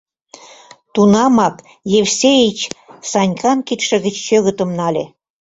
— Тунамак Евсеич Санькан кидше гыч чӧгытым нале.